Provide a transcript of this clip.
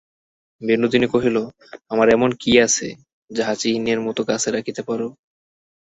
বিনোদিনী কহিল, আমার এমন কী আছে, যাহা চিহ্নের মতো কাছে রাখিতে পার?